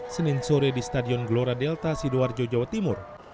senin sore di stadion gelora delta sidoarjo jawa timur